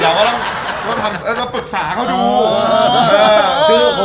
และปรึกษาเขาดู